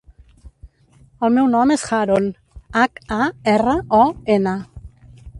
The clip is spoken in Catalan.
El meu nom és Haron: hac, a, erra, o, ena.